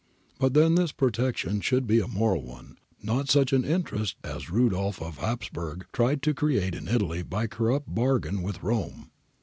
But then this protection should be a moral one, not such an interest as Rudolf of Hapsburg tried to create in Italy by a corrupt bargain with Rome.